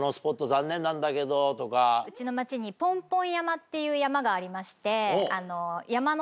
うちの町に。っていう山がありまして。